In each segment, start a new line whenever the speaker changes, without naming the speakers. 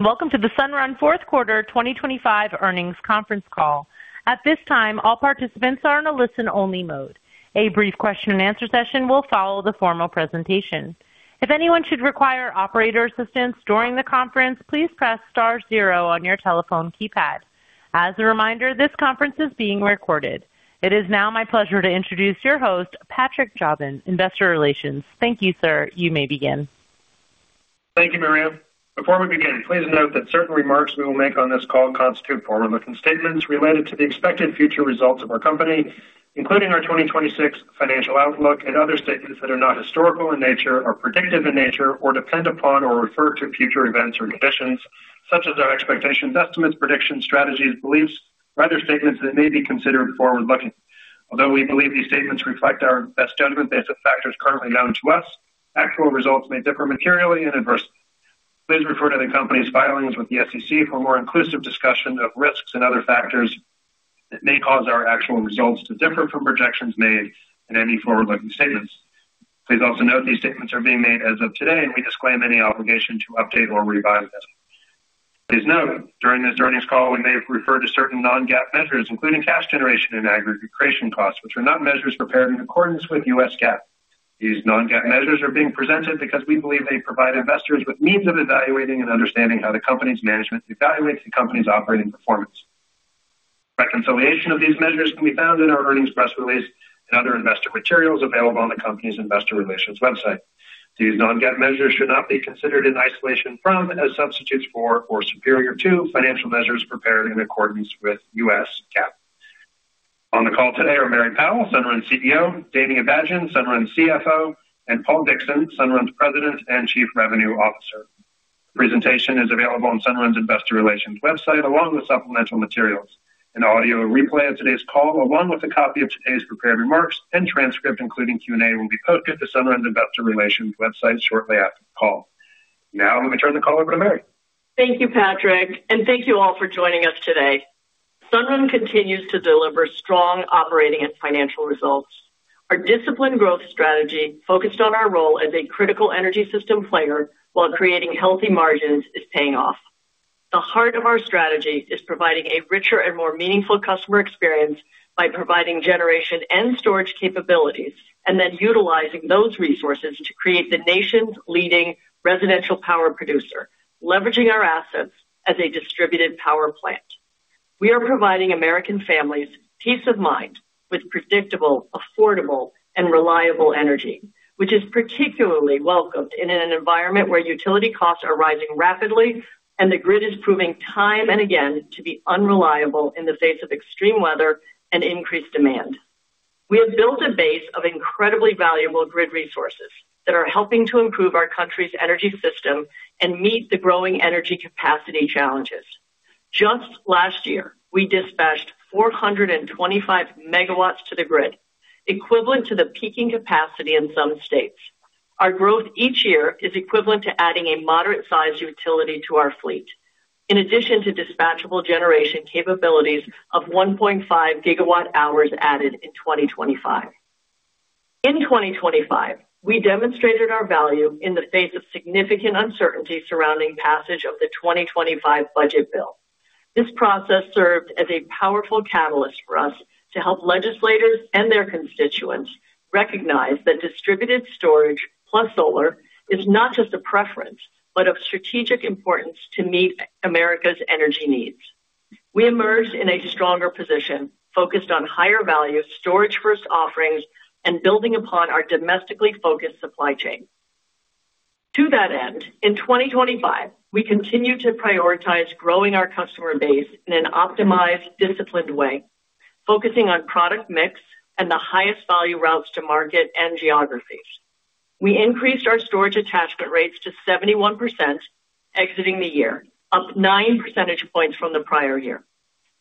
Welcome to the Sunrun fourth quarter 2025 earnings conference call. At this time, all participants are in a listen-only mode. A brief question and answer session will follow the formal presentation. If anyone should require operator assistance during the conference, please press star zero on your telephone keypad. As a reminder, this conference is being recorded. It is now my pleasure to introduce your host, Patrick Jobin, Investor Relations. Thank you, sir. You may begin.
Thank you, Miriam. Before we begin, please note that certain remarks we will make on this call constitute forward-looking statements related to the expected future results of our company, including our 2026 financial outlook and other statements that are not historical in nature or predictive in nature, or depend upon or refer to future events or conditions, such as our expectations, estimates, predictions, strategies, beliefs, or other statements that may be considered forward-looking. Although we believe these statements reflect our best judgment based on factors currently known to us, actual results may differ materially and adversely. Please refer to the company's filings with the SEC for a more inclusive discussion of risks and other factors that may cause our actual results to differ from projections made in any forward-looking statements. Please also note these statements are being made as of today, and we disclaim any obligation to update or revise them. Please note, during this earnings call, we may refer to certain non-GAAP measures, including cash generation and aggregation costs, which are not measures prepared in accordance with U.S. GAAP. These non-GAAP measures are being presented because we believe they provide investors with means of evaluating and understanding how the company's management evaluates the company's operating performance. Reconciliation of these measures can be found in our earnings press release and other investor materials available on the company's investor relations website. These non-GAAP measures should not be considered in isolation from, as substitutes for, or superior to financial measures prepared in accordance with U.S. GAAP. On the call today are Mary Powell, Sunrun's CEO, Danny Abajian, Sunrun's CFO, and Paul Dickson, Sunrun's President and Chief Revenue Officer. Presentation is available on Sunrun's investor relations website, along with supplemental materials. An audio replay of today's call, along with a copy of today's prepared remarks and transcript, including Q&A, will be posted to Sunrun's investor relations website shortly after the call. Let me turn the call over to Mary.
Thank you, Patrick, and thank you all for joining us today. Sunrun continues to deliver strong operating and financial results. Our disciplined growth strategy, focused on our role as a critical energy system player while creating healthy margins, is paying off. The heart of our strategy is providing a richer and more meaningful customer experience by providing generation and storage capabilities, and then utilizing those resources to create the nation's leading residential power producer, leveraging our assets as a distributed power plant. We are providing American families peace of mind with predictable, affordable, and reliable energy, which is particularly welcomed in an environment where utility costs are rising rapidly and the grid is proving time and again to be unreliable in the face of extreme weather and increased demand. We have built a base of incredibly valuable grid resources that are helping to improve our country's energy system and meet the growing energy capacity challenges. Just last year, we dispatched 425 MW to the grid, equivalent to the peaking capacity in some states. Our growth each year is equivalent to adding a moderate-sized utility to our fleet, in addition to dispatchable generation capabilities of 1.5 GWh added in 2025. In 2025, we demonstrated our value in the face of significant uncertainty surrounding passage of the 2025 budget bill. This process served as a powerful catalyst for us to help legislators and their constituents recognize that distributed storage plus solar is not just a preference, but of strategic importance to meet America's energy needs. We emerged in a stronger position, focused on higher value storage-first offerings and building upon our domestically focused supply chain. To that end, in 2025, we continued to prioritize growing our customer base in an optimized, disciplined way, focusing on product mix and the highest value routes to market and geographies. We increased our Storage Attachment Rates to 71% exiting the year, up 9 percentage points from the prior year.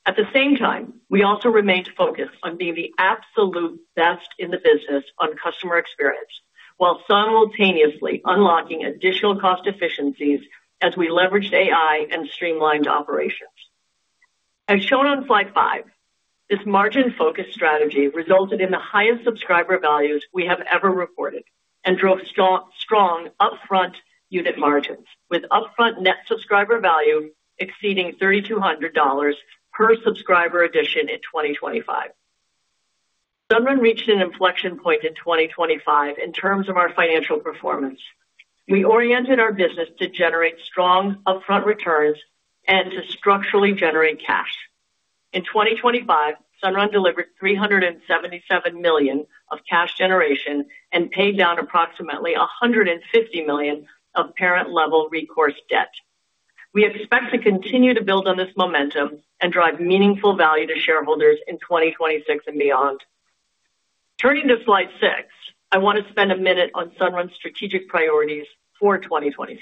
At the same time, we also remained focused on being the absolute best in the business on customer experience, while simultaneously unlocking additional cost efficiencies as we leveraged AI and streamlined operations. As shown on slide five, this margin-focused strategy resulted in the highest Subscriber Values we have ever reported and drove strong upfront unit margins, with upfront Net Subscriber Value exceeding $3,200 per subscriber addition in 2025. Sunrun reached an inflection point in 2025 in terms of our financial performance. We oriented our business to generate strong upfront returns and to structurally generate cash. In 2025, Sunrun delivered $377 million of cash generation and paid down approximately $150 million of parent level recourse debt. We expect to continue to build on this momentum and drive meaningful value to shareholders in 2026 and beyond. Turning to slide six, I want to spend a minute on Sunrun's strategic priorities for 2026.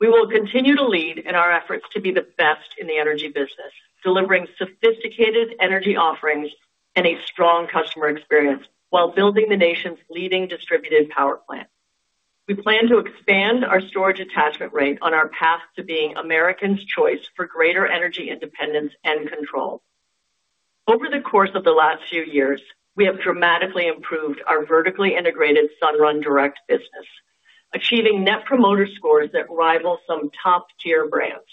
We will continue to lead in our efforts to be the best in the energy business, delivering sophisticated energy offerings and a strong customer experience while building the nation's leading distributed power plant. We plan to expand our storage attachment rate on our path to being Americans' choice for greater energy, independence, and control. Over the course of the last few years, we have dramatically improved our vertically integrated Sunrun Direct business, achieving Net Promoter Scores that rival some top-tier brands.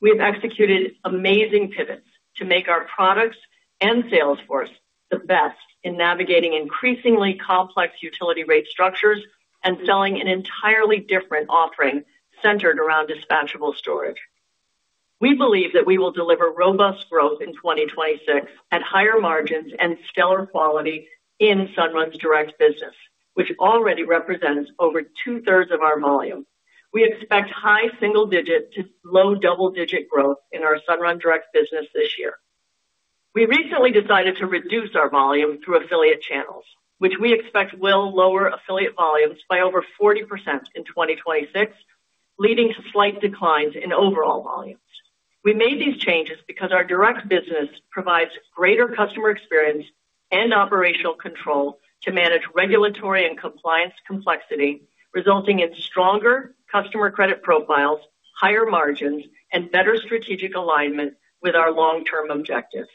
We have executed amazing pivots to make our products and sales force the best in navigating increasingly complex utility rate structures and selling an entirely different offering centered around dispatchable storage. We believe that we will deliver robust growth in 2026 at higher margins and stellar quality in Sunrun Direct business, which already represents over 2/3 of our volume. We expect high single-digit to low double-digit growth in our Sunrun Direct business this year. We recently decided to reduce our volume through affiliate channels, which we expect will lower affiliate volumes by over 40% in 2026, leading to slight declines in overall volumes. We made these changes because our direct business provides greater customer experience and operational control to manage regulatory and compliance complexity, resulting in stronger customer credit profiles, higher margins, and better strategic alignment with our long-term objectives.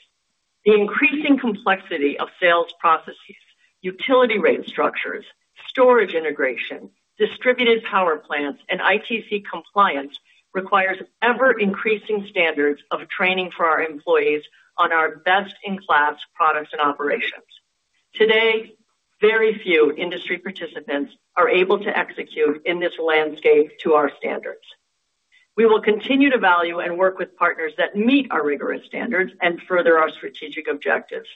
The increasing complexity of sales processes, utility rate structures, storage integration, distributed power plants, and ITC compliance requires ever-increasing standards of training for our employees on our best-in-class products and operations. Today, very few industry participants are able to execute in this landscape to our standards. We will continue to value and work with partners that meet our rigorous standards and further our strategic objectives.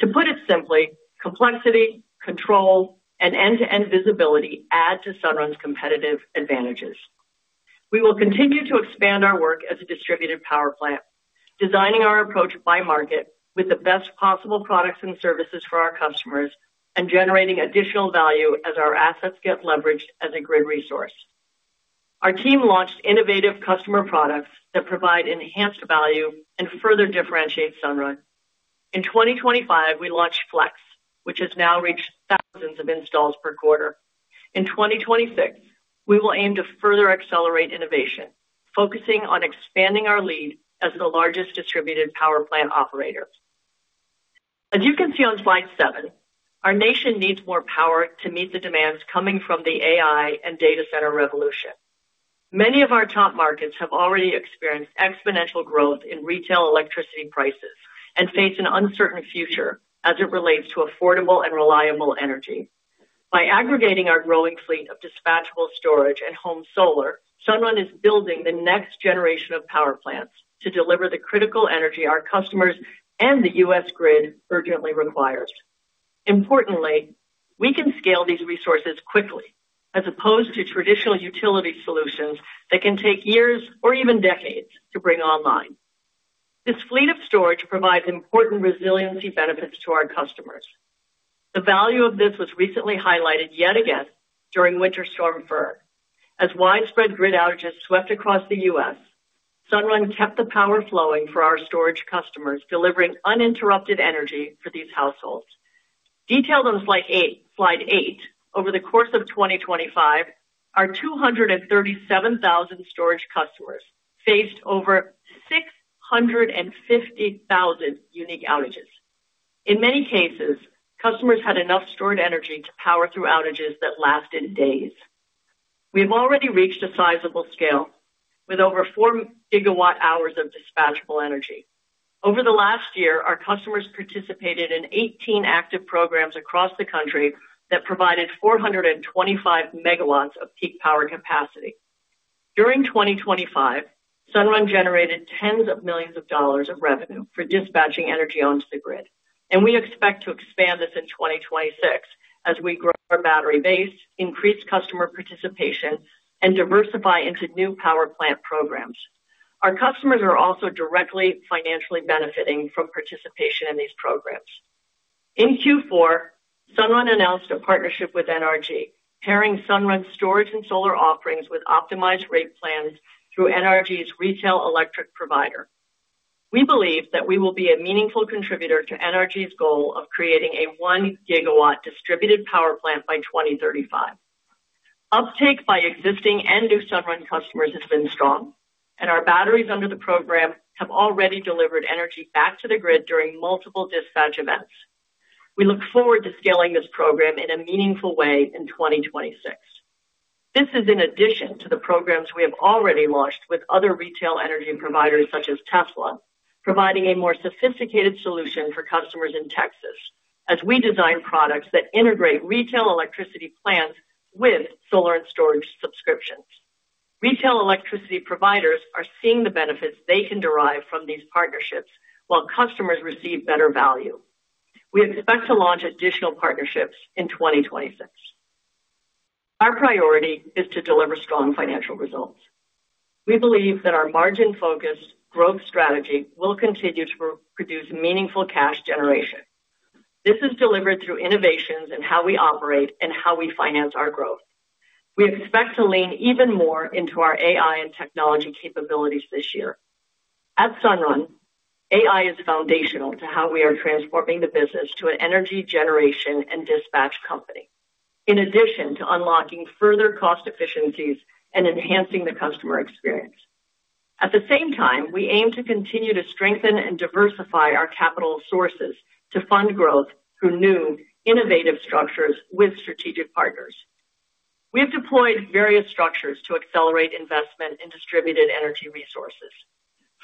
To put it simply, complexity, control, and end-to-end visibility add to Sunrun's competitive advantages. We will continue to expand our work as a distributed power plant, designing our approach by market with the best possible products and services for our customers, and generating additional value as our assets get leveraged as a grid resource. Our team launched innovative customer products that provide enhanced value and further differentiate Sunrun. In 2025, we launched Flex, which has now reached thousands of installs per quarter. In 2026, we will aim to further accelerate innovation, focusing on expanding our lead as the largest distributed power plant operator. As you can see on slide seven, our nation needs more power to meet the demands coming from the AI and data center revolution. Many of our top markets have already experienced exponential growth in retail electricity prices and face an uncertain future as it relates to affordable and reliable energy. By aggregating our growing fleet of dispatchable storage and home solar, Sunrun is building the next generation of power plants to deliver the critical energy our customers and the US grid urgently requires. We can scale these resources quickly, as opposed to traditional utility solutions that can take years or even decades to bring online. This fleet of storage provides important resiliency benefits to our customers. The value of this was recently highlighted yet again during Winter Storm Finn. As widespread grid outages swept across the US, Sunrun kept the power flowing for our storage customers, delivering uninterrupted energy for these households. Detailed on slide eight, over the course of 2025, our 237,000 storage customers faced over 650,000 unique outages. In many cases, customers had enough stored energy to power through outages that lasted days. We have already reached a sizable scale, with over 4 gigawatt hours of dispatchable energy. Over the last year, our customers participated in 18 active programs across the country that provided 425 megawatts of peak power capacity. During 2025, Sunrun generated tens of millions of dollars of revenue for dispatching energy onto the grid, and we expect to expand this in 2026 as we grow our battery base, increase customer participation, and diversify into new power plant programs. Our customers are also directly financially benefiting from participation in these programs. In Q4, Sunrun announced a partnership with NRG, pairing Sunrun's storage and solar offerings with optimized rate plans through NRG's retail electric provider. We believe that we will be a meaningful contributor to NRG's goal of creating a 1 gigawatt distributed power plant by 2035. Uptake by existing and new Sunrun customers has been strong, and our batteries under the program have already delivered energy back to the grid during multiple dispatch events. We look forward to scaling this program in a meaningful way in 2026. This is in addition to the programs we have already launched with other retail energy providers, such as Tesla, providing a more sophisticated solution for customers in Texas as we design products that integrate retail electricity plans with solar and storage subscriptions. Retail electricity providers are seeing the benefits they can derive from these partnerships, while customers receive better value. We expect to launch additional partnerships in 2026. Our priority is to deliver strong financial results. We believe that our margin-focused growth strategy will continue to produce meaningful Cash Generation. This is delivered through innovations in how we operate and how we finance our growth. We expect to lean even more into our AI and technology capabilities this year. At Sunrun, AI is foundational to how we are transforming the business to an energy generation and dispatch company in addition to unlocking further cost efficiencies and enhancing the customer experience. At the same time, we aim to continue to strengthen and diversify our capital sources to fund growth through new innovative structures with strategic partners. We have deployed various structures to accelerate investment in distributed energy resources.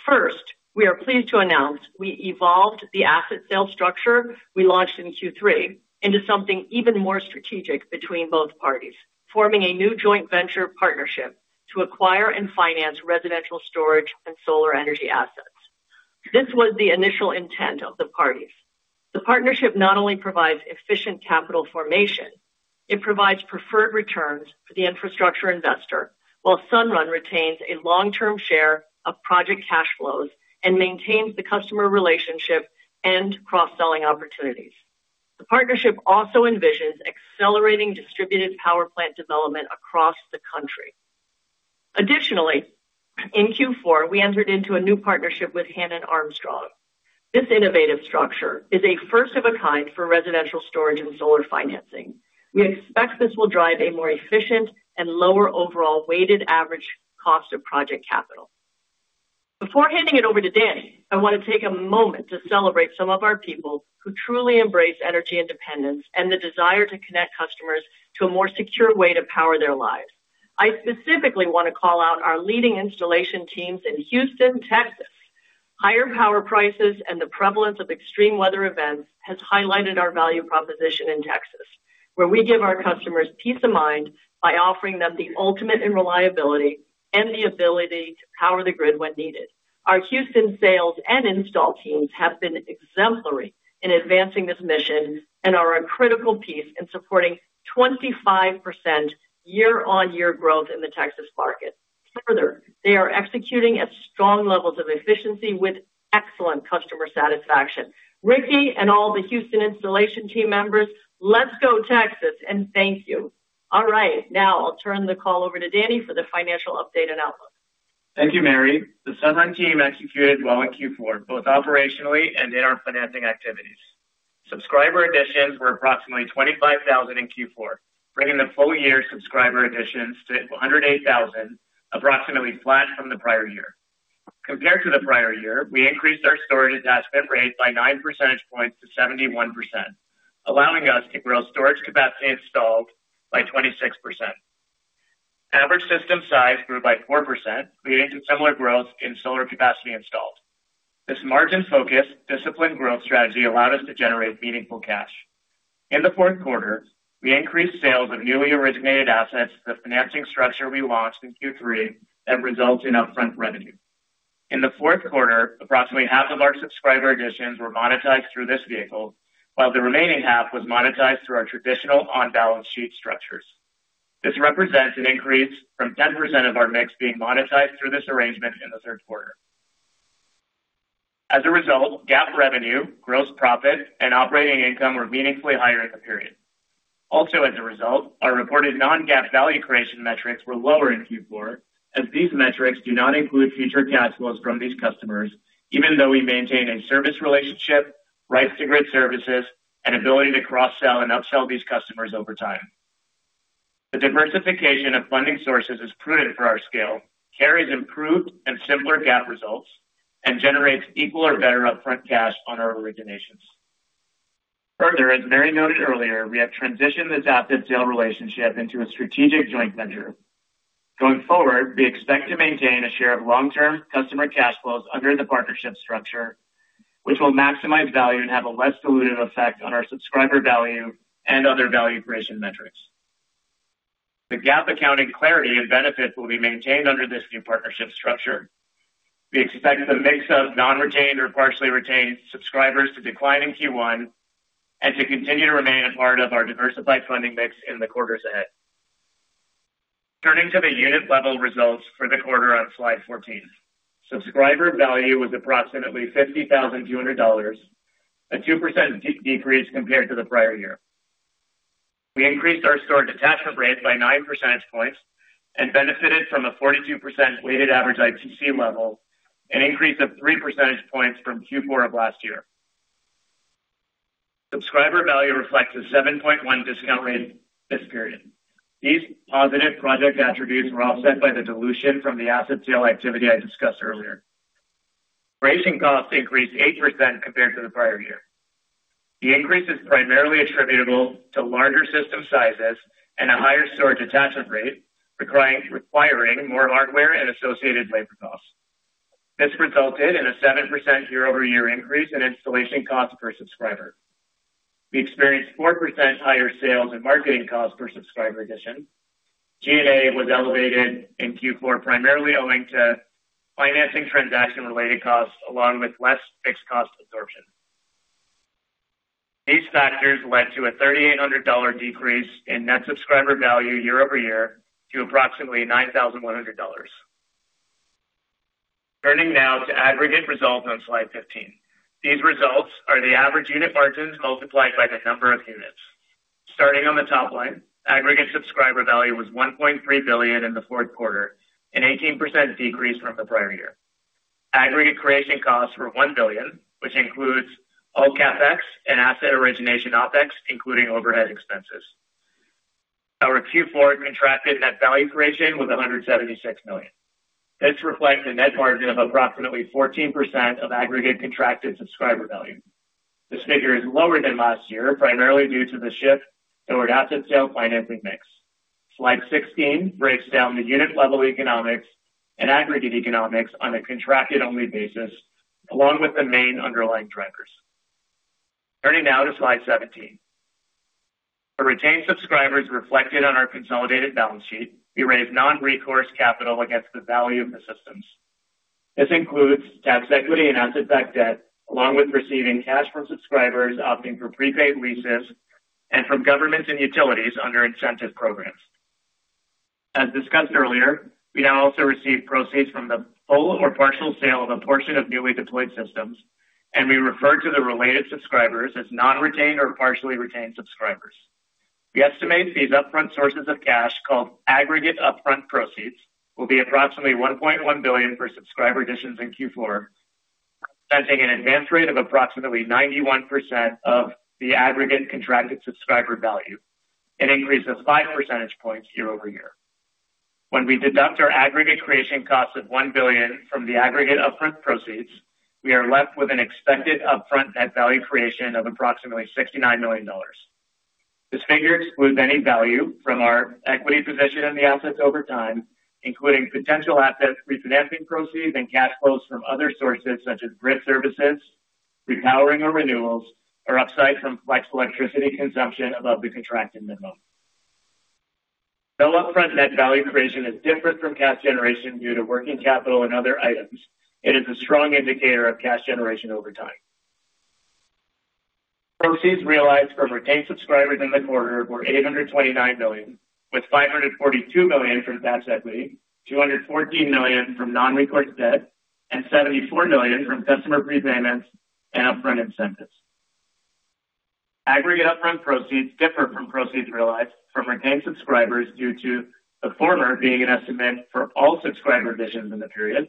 First, we are pleased to announce we evolved the asset sale structure we launched in Q3 into something even more strategic between both parties, forming a new joint venture partnership to acquire and finance residential storage and solar energy assets. This was the initial intent of the parties. The partnership not only provides efficient capital formation, it provides preferred returns for the infrastructure investor, while Sunrun retains a long-term share of project cash flows and maintains the customer relationship and cross-selling opportunities. The partnership also envisions accelerating distributed power plant development across the country. In Q4, we entered into a new partnership with Hannon Armstrong. This innovative structure is a first of a kind for residential storage and solar financing. We expect this will drive a more efficient and lower overall weighted average cost of project capital. Before handing it over to Danny, I want to take a moment to celebrate some of our people who truly embrace energy independence and the desire to connect customers to a more secure way to power their lives. I specifically want to call out our leading installation teams in Houston, Texas. Higher power prices and the prevalence of extreme weather events has highlighted our value proposition in Texas, where we give our customers peace of mind by offering them the ultimate in reliability and the ability to power the grid when needed. Our Houston sales and install teams have been exemplary in advancing this mission and are a critical piece in supporting 25% year-on-year growth in the Texas market. Further, they are executing at strong levels of efficiency with excellent customer satisfaction. Ricky and all the Houston installation team members, let's go Texas, and thank you! All right, now I'll turn the call over to Danny for the financial update and outlook.
Thank you, Mary. The Sunrun team executed well in Q4, both operationally and in our financing activities. Subscriber additions were approximately 25,000 in Q4, bringing the full year subscriber additions to 108,000, approximately flat from the prior year. Compared to the prior year, we increased our storage attachment rate by 9 percentage points to 71%, allowing us to grow storage capacity installed by 26%. Average system size grew by 4%, leading to similar growth in solar capacity installed. This margin-focused, disciplined growth strategy allowed us to generate meaningful cash. In the fourth quarter, we increased sales of newly originated assets to the financing structure we launched in Q3 that result in upfront revenue. In the fourth quarter, approximately half of our subscriber additions were monetized through this vehicle, while the remaining half was monetized through our traditional on-balance sheet structures. This represents an increase from 10% of our mix being monetized through this arrangement in the third quarter. GAAP revenue, gross profit, and operating income were meaningfully higher in the period. Our reported non-GAAP value creation metrics were lower in Q4, as these metrics do not include future cash flows from these customers, even though we maintain a service relationship, rights to grid services, and ability to cross-sell and upsell these customers over time. The diversification of funding sources is prudent for our scale, carries improved and simpler GAAP results, and generates equal or better upfront cash on our originations. As Mary noted earlier, we have transitioned this asset sale relationship into a strategic joint venture. Going forward, we expect to maintain a share of long-term customer cash flows under the partnership structure, which will maximize value and have a less dilutive effect on our Subscriber Value and other value creation metrics. The GAAP accounting clarity and benefits will be maintained under this new partnership structure. We expect the mix of non-retained or partially retained subscribers to decline in Q1 and to continue to remain a part of our diversified funding mix in the quarters ahead. Turning to the unit level results for the quarter on slide 14. Subscriber Value was approximately $50,200, a 2% decrease compared to the prior year. We increased our storage attachment rate by 9 percentage points and benefited from a 42% weighted average ITC level, an increase of 3 percentage points from Q4 of last year. Subscriber Value reflects a 7.1 discount rate this period. These positive project attributes were offset by the dilution from the asset sale activity I discussed earlier. Raising costs increased 8% compared to the prior year. The increase is primarily attributable to larger system sizes and a higher storage attachment rate, requiring more hardware and associated labor costs. This resulted in a 7% year-over-year increase in installation costs per subscriber. We experienced 4% higher sales and marketing costs per subscriber addition. G&A was elevated in Q4, primarily owing to financing transaction-related costs, along with less fixed cost absorption. These factors led to a $3,800 decrease in Net Subscriber Value year-over-year to approximately $9,100. Turning now to Aggregate results on slide 15. These results are the average unit margins multiplied by the number of units. Starting on the top line, Aggregate Subscriber Value was $1.3 billion in the fourth quarter, an 18% decrease from the prior year. Aggregate Creation Costs were $1 billion, which includes all CapEx and asset origination OpEx, including overhead expenses. Our Q4 Contracted Net Value Creation was $176 million. This reflects a net margin of approximately 14% of Aggregate Contracted Subscriber Value. This figure is lower than last year, primarily due to the shift toward asset sale financing mix. Slide 16 breaks down the unit level economics and aggregate economics on a contracted-only basis, along with the main underlying drivers. Turning now to Slide 17. For retained subscribers reflected on our consolidated balance sheet, we raise non-recourse capital against the value of the systems. This includes tax equity and asset-backed debt, along with receiving cash from subscribers opting for prepaid leases and from government and utilities under incentive programs. As discussed earlier, we now also receive proceeds from the full or partial sale of a portion of newly deployed systems, and we refer to the related subscribers as non-retained or partially retained subscribers. We estimate these upfront sources of cash, called aggregate upfront proceeds, will be approximately $1.1 billion for subscriber additions in Q4, presenting an advance rate of approximately 91% of the aggregate contracted subscriber value, an increase of 5 percentage points year-over-year. When we deduct our aggregate creation cost of $1 billion from the aggregate upfront proceeds, we are left with an expected upfront net value creation of approximately $69 million. This figure excludes any value from our equity position in the assets over time, including potential asset refinancing proceeds and cash flows from other sources such as grid services, repowering or renewals, or upside from flexible electricity consumption above the contracted minimum. Though upfront net value creation is different from cash generation due to working capital and other items, it is a strong indicator of cash generation over time. Proceeds realized from retained subscribers in the quarter were $829 million, with $542 million from tax equity, $214 million from non-recourse debt, and $74 million from customer prepayments and upfront incentives. Aggregate upfront proceeds differ from proceeds realized from retained subscribers due to the former being an estimate for all subscriber additions in the period,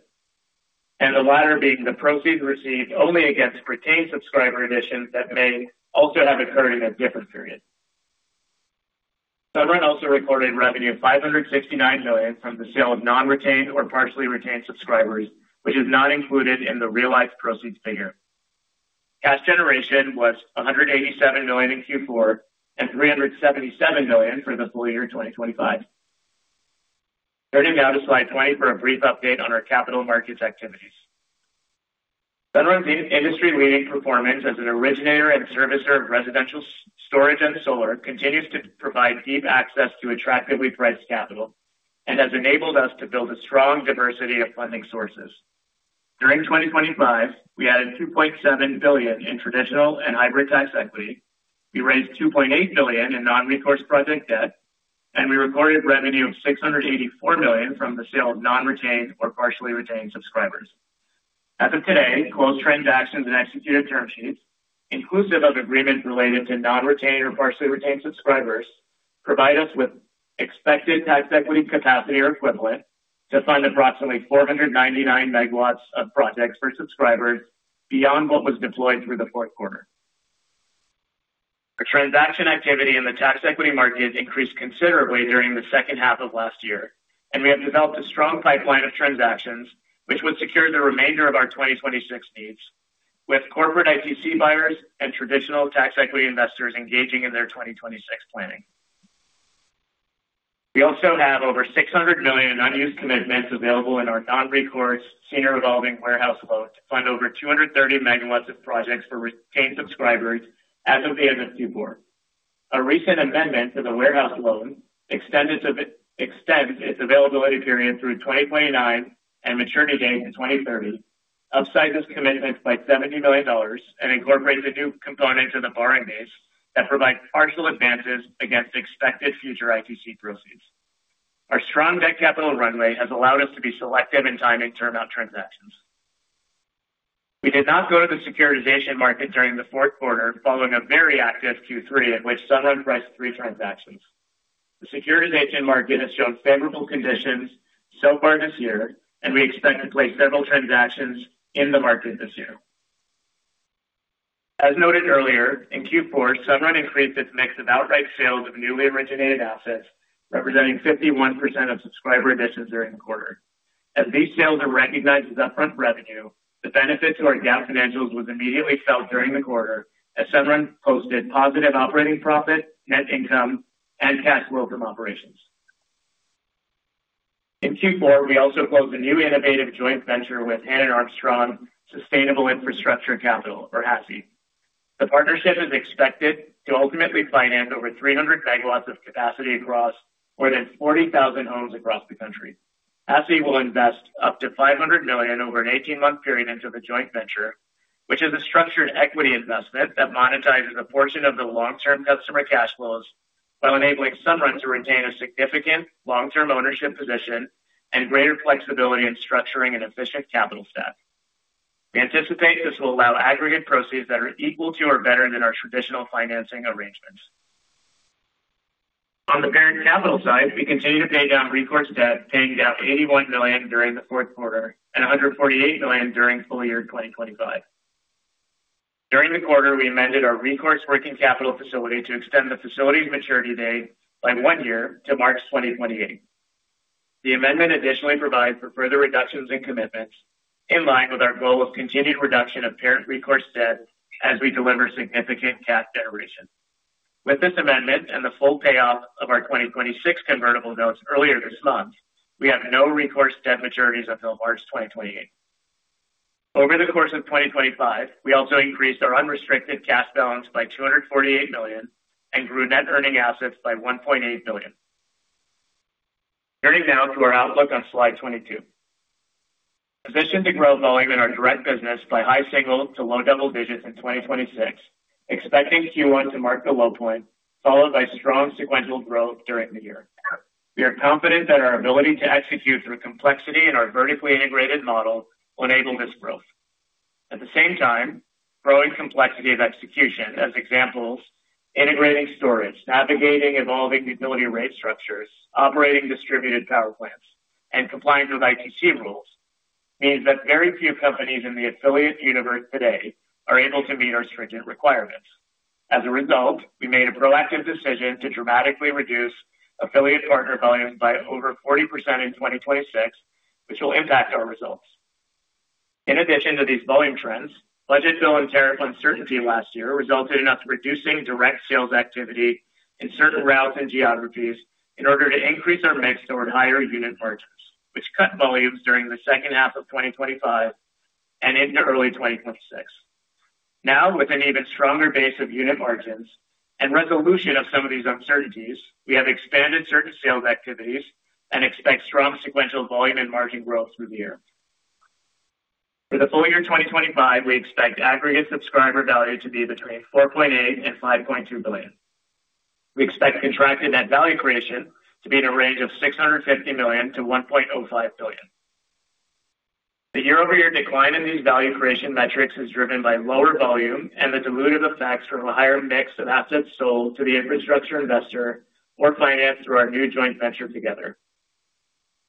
and the latter being the proceeds received only against retained subscriber additions that may also have occurred in a different period. Sunrun also recorded revenue of $569 million from the sale of non-retained or partially retained subscribers, which is not included in the realized proceeds figure. Cash generation was $187 million in Q4 and $377 million for the full year 2025. Turning now to slide 20 for a brief update on our capital markets activities. Sunrun's industry-leading performance as an originator and servicer of residential storage and solar continues to provide deep access to attractively priced capital and has enabled us to build a strong diversity of funding sources. During 2025, we added $2.7 billion in traditional and hybrid tax equity. We raised $2.8 billion in non-recourse project debt, we recorded revenue of $684 million from the sale of non-retained or partially retained subscribers. As of today, closed transactions and executed term sheets, inclusive of agreements related to non-retained or partially retained subscribers, provide us with expected tax equity capacity or equivalent to fund approximately 499 megawatts of projects for subscribers beyond what was deployed through the fourth quarter. Our transaction activity in the tax equity market increased considerably during the second half of last year, we have developed a strong pipeline of transactions which would secure the remainder of our 2026 needs with corporate ITC buyers and traditional tax equity investors engaging in their 2026 planning. We also have over $600 million unused commitments available in our non-recourse senior revolving warehouse loan to fund over 230 megawatts of projects for retained subscribers as of the end of Q4. A recent amendment to the warehouse loan extends its availability period through 2029 and maturity date to 2030, upsides this commitment by $70 million and incorporates a new component to the borrowing base that provides partial advances against expected future ITC proceeds. Our strong debt capital runway has allowed us to be selective in timing term out transactions. We did not go to the securitization market during the fourth quarter, following a very active Q3, at which Sunrun priced three transactions. The securitization market has shown favorable conditions so far this year. We expect to place several transactions in the market this year. As noted earlier, in Q4, Sunrun increased its mix of outright sales of newly originated assets, representing 51% of subscriber additions during the quarter. These sales are recognized as upfront revenue, the benefit to our GAAP financials was immediately felt during the quarter as Sunrun posted positive operating profit, net income, and cash flow from operations. In Q4, we also closed a new innovative joint venture with Hannon Armstrong Sustainable Infrastructure Capital, or HASI. The partnership is expected to ultimately finance over 300 megawatts of capacity across more than 40,000 homes across the country. HASI will invest up to $500 million over an 18-month period into the joint venture, which is a structured equity investment that monetizes a portion of the long-term customer cash flows while enabling Sunrun to retain a significant long-term ownership position and greater flexibility in structuring an efficient capital stack. We anticipate this will allow aggregate proceeds that are equal to or better than our traditional financing arrangements. On the parent capital side, we continue to pay down recourse debt, paying down $81 million during the fourth quarter and $148 million during full year 2025. During the quarter, we amended our recourse working capital facility to extend the facility's maturity date by one year to March 2028. The amendment additionally provides for further reductions in commitments in line with our goal of continued reduction of parent recourse debt as we deliver significant Cash Generation. With this amendment and the full payoff of our 2026 convertible notes earlier this month, we have no recourse debt maturities until March 2028. Over the course of 2025, we also increased our unrestricted cash balance by $248 million and grew net earning assets by $1.8 billion. Turning now to our outlook on slide 22. Position to grow volume in our direct business by high single to low double digits in 2026, expecting Q1 to mark the low point, followed by strong sequential growth during the year. We are confident that our ability to execute through complexity in our vertically integrated model will enable this growth. At the same time, growing complexity of execution as examples, integrating storage, navigating evolving utility rate structures, operating distributed power plants, and complying with ITC rules means that very few companies in the affiliate universe today are able to meet our stringent requirements. As a result, we made a proactive decision to dramatically reduce affiliate partner volumes by over 40% in 2026, which will impact our results. In addition to these volume trends, budget bill and tariff uncertainty last year resulted in us reducing direct sales activity in certain routes and geographies in order to increase our mix toward higher unit margins, which cut volumes during the second half of 2025 and into early 2026. Now, with an even stronger base of unit margins and resolution of some of these uncertainties, we have expanded certain sales activities and expect strong sequential volume and margin growth through the year. For the full year 2025, we expect Aggregate Subscriber Value to be between $4.8 billion and $5.2 billion. We expect Contracted Net Value Creation to be in a range of $650 million-$1.05 billion. The year-over-year decline in these value creation metrics is driven by lower volume and the dilutive effects from a higher mix of assets sold to the infrastructure investor or financed through our new joint venture together.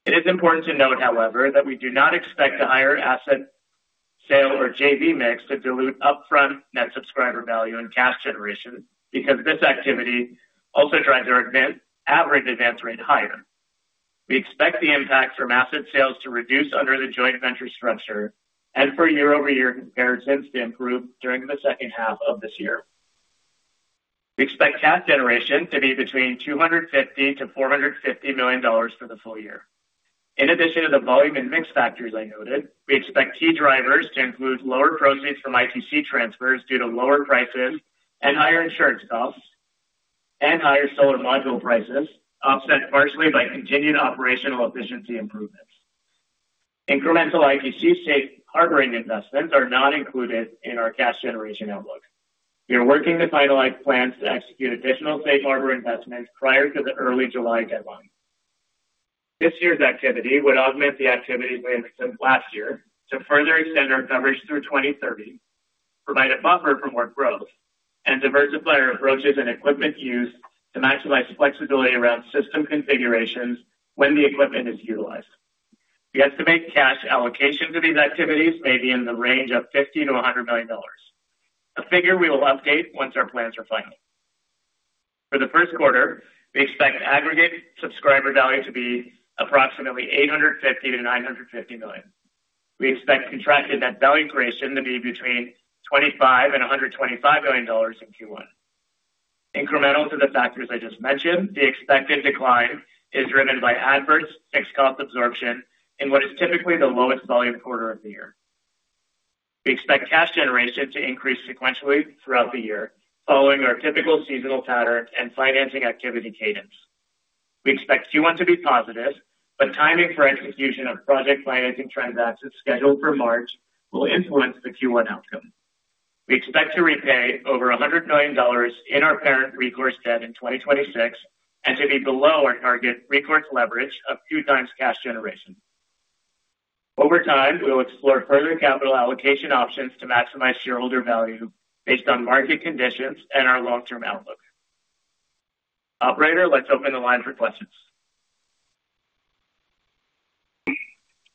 It is important to note, however, that we do not expect the higher asset sale or JV mix to dilute Upfront Net Subscriber Value and Cash Generation because this activity also drives our average Advance Rate higher. We expect the impact from asset sales to reduce under the joint venture structure and for year-over-year comparisons to improve during the second half of this year. We expect Cash Generation to be between $250 million-$450 million for the full year. In addition to the volume and mix factors I noted, we expect key drivers to include lower proceeds from ITC transfers due to lower prices and higher insurance costs and higher solar module prices, offset partially by continued operational efficiency improvements. Incremental ITC safe harboring investments are not included in our Cash Generation outlook. We are working to finalize plans to execute additional safe harbor investments prior to the early July deadline. This year's activity would augment the activities we have assumed last year to further extend our coverage through 2030, provide a buffer for more growth, and diversify our approaches and equipment used to maximize flexibility around system configurations when the equipment is utilized. We estimate cash allocation to these activities may be in the range of $50 million-$100 million. A figure we will update once our plans are final. For the first quarter, we expect Aggregate Subscriber Value to be approximately $850 million-$950 million. We expect Contracted Net Value Creation to be between $25 million and $125 million in Q1. Incremental to the factors I just mentioned, the expected decline is driven by adverse fixed cost absorption in what is typically the lowest volume quarter of the year. We expect Cash Generation to increase sequentially throughout the year, following our typical seasonal pattern and financing activity cadence. We expect Q1 to be positive, but timing for execution of project financing transactions scheduled for March will influence the Q1 outcome. We expect to repay over $100 million in our parent recourse debt in 2026 and to be below our target recourse leverage of 2 times Cash Generation. Over time, we will explore further capital allocation options to maximize shareholder value based on market conditions and our long-term outlook. Operator, let's open the line for questions.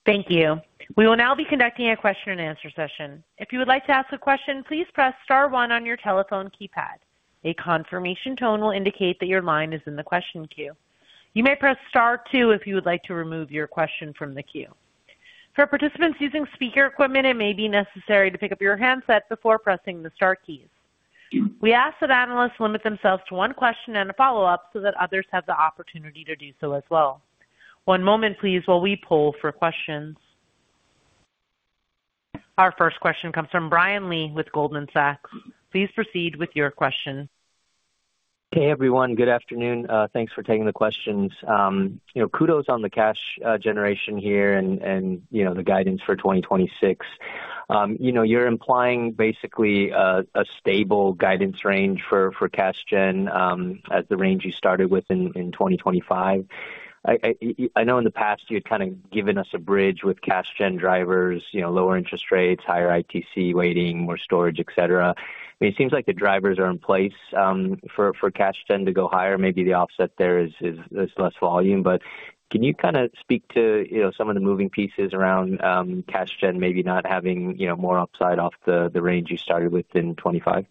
Thank you. We will now be conducting a question-and-answer session. If you would like to ask a question, please press star one on your telephone keypad. A confirmation tone will indicate that your line is in the question queue. You may press star two if you would like to remove your question from the queue. For participants using speaker equipment, it may be necessary to pick up your handset before pressing the star keys. We ask that analysts limit themselves to one question and a follow-up so that others have the opportunity to do so as well. One moment please while we poll for questions. Our first question comes from Brian Lee with Goldman Sachs. Please proceed with your question.
Okay, everyone, good afternoon. Thanks for taking the questions. You know, kudos on the Cash Generation here and, you know, the guidance for 2026. You know, you're implying basically a stable guidance range for Cash Gen as the range you started with in 2025. I know in the past you had kind of given us a bridge with Cash Gen drivers, you know, lower interest rates, higher ITC weighting, more storage, et cetera. I mean, it seems like the drivers are in place for Cash Gen to go higher. Maybe the offset there is less volume. Can you kind of speak to, you know, some of the moving pieces around Cash Gen maybe not having, you know, more upside off the range you started with in 2025?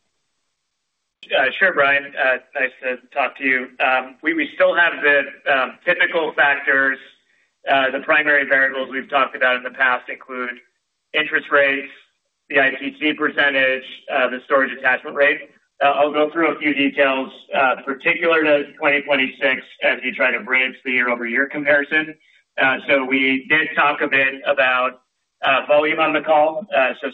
Sure, Brian. Nice to talk to you. We still have the typical factors. The primary variables we've talked about in the past include interest rates, the ITC percentage, the storage attachment rate. I'll go through a few details particular to 2026 as you try to bridge the year-over-year comparison. We did talk a bit about volume on the call.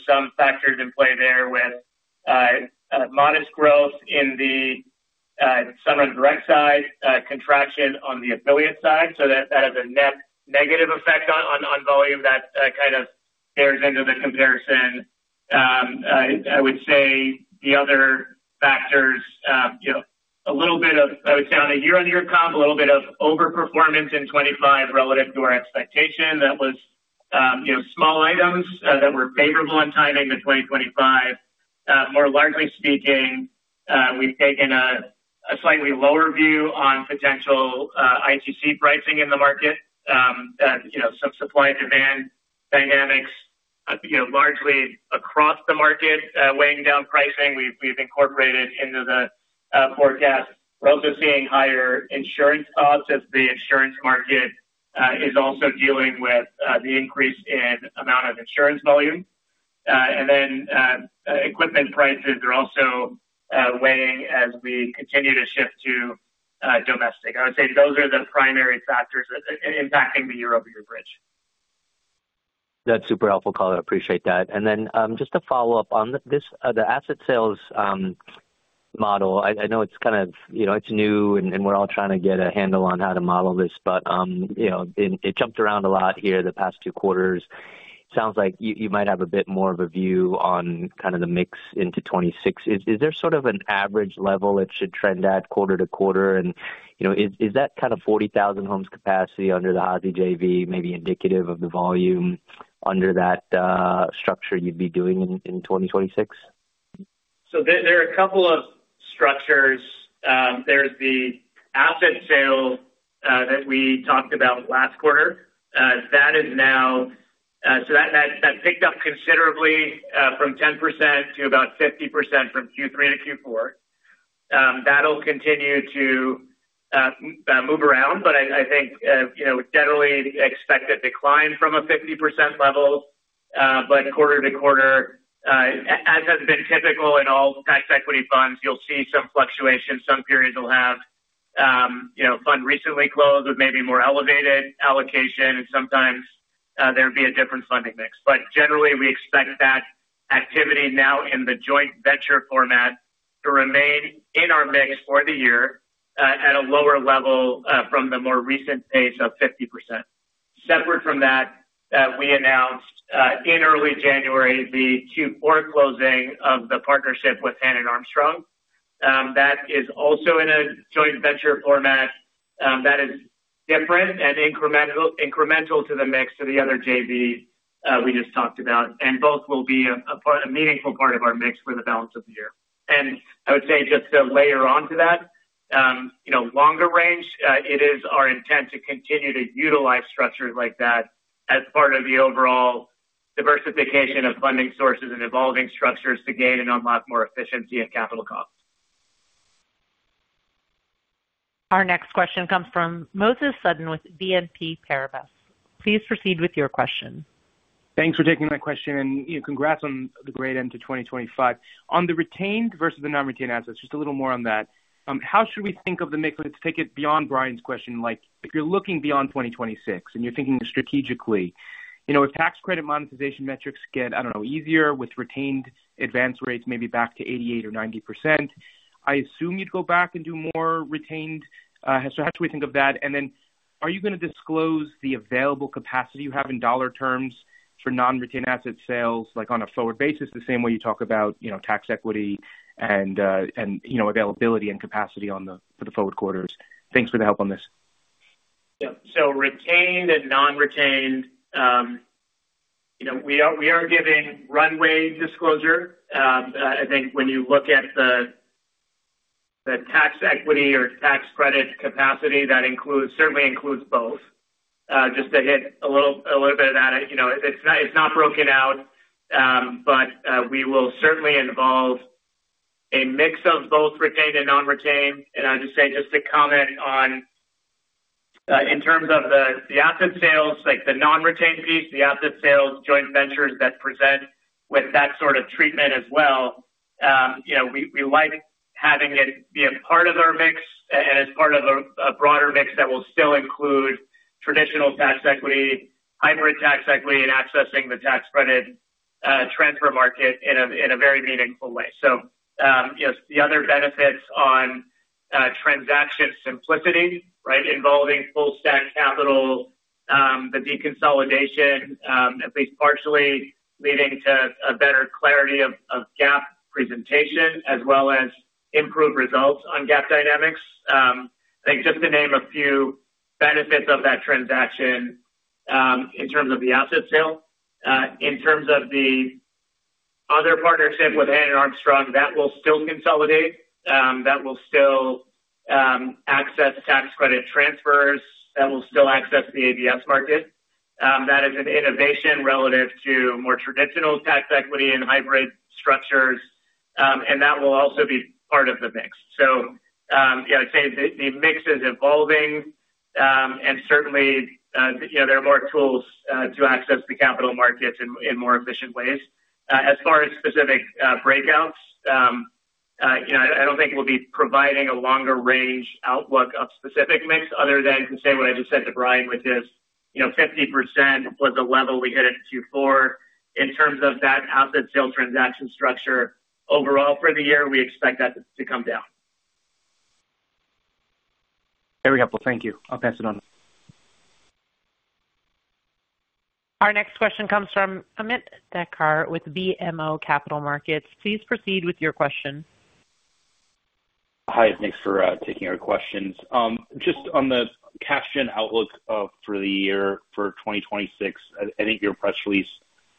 Some factors in play there with modest growth in the Sunrun Direct side, contraction on the affiliate side. That has a net negative effect on volume that kind of bears into the comparison. I would say the other factors, you know, a little bit of, I would say, on a year-on-year comp, a little bit of overperformance in 2025 relative to our expectation. That was, you know, small items that were favorable in timing to 2025. More largely speaking, we've taken a slightly lower view on potential ITC pricing in the market, you know, some supply and demand dynamics, you know, largely across the market, weighing down pricing. We've incorporated into the forecast. We're also seeing higher insurance costs as the insurance market is also dealing with the increase in amount of insurance volume. Equipment prices are also weighing as we continue to shift to domestic. I would say those are the primary factors that are impacting the year-over-year bridge.
That's super helpful color, I appreciate that. Just to follow up on this, the asset sales model. I know it's kind of, you know, it's new and we're all trying to get a handle on how to model this, but, you know, it jumped around a lot here the past two quarters. Sounds like you might have a bit more of a view on kind of the mix into 2026. Is there sort of an average level it should trend at quarter to quarter? You know, is that kind of 40,000 homes capacity under the HASI JV maybe indicative of the volume under that structure you'd be doing in 2026?
There, there are a couple of structures. There's the asset sale that we talked about last quarter. That is now so that picked up considerably from 10% to about 50% from Q3 to Q4. That'll continue to move around, but I think, you know, generally expect a decline from a 50% level, but quarter to quarter, as has been typical in all tax equity funds, you'll see some fluctuation. Some periods will have, you know, fund recently closed with maybe more elevated allocation, and sometimes there'd be a different funding mix. Generally, we expect that activity now in the joint venture format to remain in our mix for the year, at a lower level from the more recent pace of 50%. Separate from that, we announced in early January the Q4 closing of the partnership with Hannon Armstrong. That is also in a joint venture format that is different and incremental to the mix to the other JV we just talked about. Both will be a meaningful part of our mix for the balance of the year. I would say just to layer onto that, you know, longer range, it is our intent to continue to utilize structures like that as part of the overall diversification of funding sources and evolving structures to gain and unlock more efficiency and capital costs.
Our next question comes from Moses Sutton with BNP Paribas. Please proceed with your question.
Thanks for taking my question, you know, congrats on the great end to 2025. On the retained versus the non-retained assets, just a little more on that. How should we think of the mix? Let's take it beyond Brian Lee's question, like if you're looking beyond 2026 and you're thinking strategically. You know, if tax credit monetization metrics get, I don't know, easier with retained Advance Rates maybe back to 88% or 90%, I assume you'd go back and do more retained. How should we think of that? Are you gonna disclose the available capacity you have in dollar terms for non-retained asset sales, like on a forward basis, the same way you talk about, you know, tax equity and, you know, availability and capacity for the forward quarters? Thanks for the help on this.
Retained and non-retained, you know, we are, we are giving runway disclosure. I think when you look at the tax equity or tax credit capacity, that certainly includes both. Just to hit a little bit of that, you know, it's not, it's not broken out, but we will certainly involve a mix of both retained and non-retained. I'll just say, just to comment on, in terms of the asset sales, like the non-retained piece, the asset sales joint ventures that present with that sort of treatment as well, you know, we like having it be a part of our mix and as part of a broader mix that will still include traditional tax equity, hybrid tax equity, and accessing the tax credit transfer market in a very meaningful way. You know, the other benefits on transaction simplicity, right, involving full stack capital. The deconsolidation, at least partially leading to a better clarity of GAAP presentation, as well as improved results on GAAP dynamics. I think just to name a few benefits of that transaction, in terms of the asset sale. In terms of the other partnership with Hannon Armstrong, that will still consolidate, that will still access tax credit transfers, that will still access the ABS market. That is an innovation relative to more traditional tax equity and hybrid structures, and that will also be part of the mix. Yeah, I'd say the mix is evolving, certainly, you know, there are more tools to access the capital markets in more efficient ways. As far as specific breakouts, you know, I don't think we'll be providing a longer range outlook of specific mix other than to say what I just said to Brian, which is, you know, 50% was the level we hit it to for. In terms of that asset sale transaction structure overall for the year, we expect that to come down.
Very helpful. Thank you. I'll pass it on.
Our next question comes from Ameet Thakkar with BMO Capital Markets. Please proceed with your question.
Hi, thanks for taking our questions. Just on the Cash Gen outlook for the year for 2026, I think your press release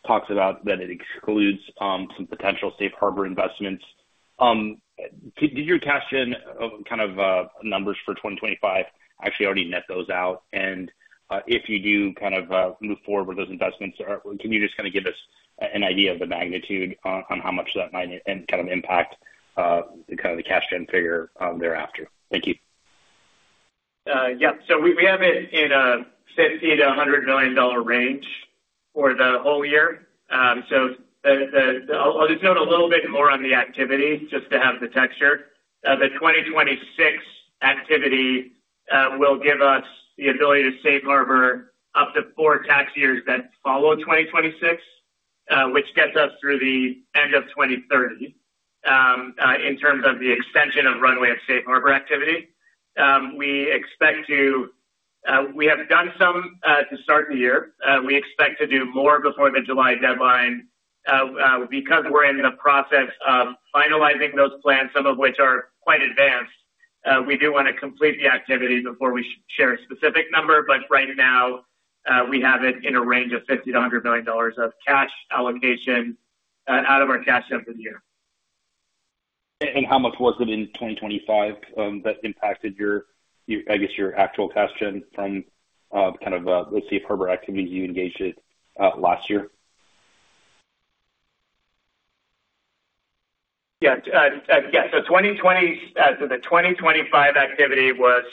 talks about that it excludes some potential safe harbor investments. Did your Cash Gen kind of numbers for 2025 actually already net those out? If you do kind of move forward with those investments, can you just kind of give us an idea of the magnitude on how much that might and kind of impact the Cash Gen figure thereafter? Thank you.
Yeah. We have it in a $50 million-$100 million range for the whole year. I'll just note a little bit more on the activity, just to have the texture. The 2026 activity will give us the ability to safe harbor up to 4 tax years that follow 2026, which gets us through the end of 2030. In terms of the extension of runway of safe harbor activity, we have done some to start the year. We expect to do more before the July deadline because we're in the process of finalizing those plans, some of which are quite advanced. We do want to complete the activity before we share a specific number, but right now, we have it in a range of $50 million-$100 million of cash allocation out of our cash jump in the year.
How much was it in 2025, that impacted your, I guess, your actual cash gen from, the kind of, the safe harbor activity you engaged in, last year?
Yeah. Yeah, the 2025 activity was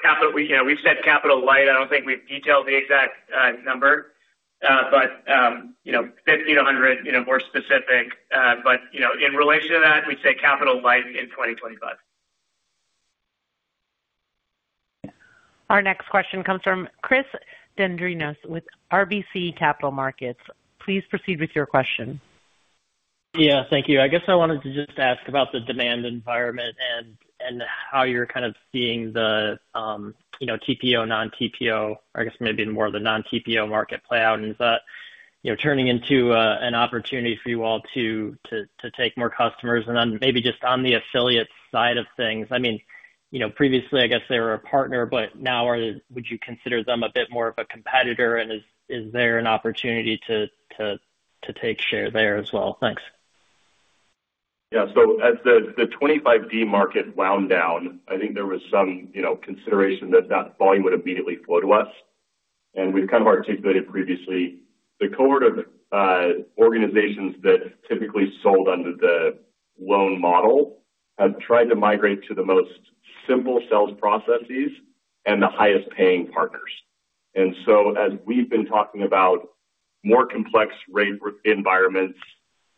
capital. We, you know, we've said capital light. I don't think we've detailed the exact number. You know, 50 to 100, you know, more specific. You know, in relation to that, we'd say capital light in 2025.
Our next question comes from Chris Dendrinos with RBC Capital Markets. Please proceed with your question.
Yeah, thank you. I guess I wanted to just ask about the demand environment and how you're kind of seeing the, you know, TPO, non-TPO, or I guess maybe more of the non-TPO market play out. Is that, you know, turning into an opportunity for you all to take more customers? Then maybe just on the affiliate side of things, I mean, you know, previously, I guess they were a partner, but now would you consider them a bit more of a competitor? Is there an opportunity to take share there as well? Thanks.
Yeah, as the 25D market wound down, I think there was some, you know, consideration that that volume would immediately flow to us. We've kind of articulated previously, the cohort of organizations that typically sold under the loan model have tried to migrate to the most simple sales processes and the highest paying partners. As we've been talking about more complex rate environments,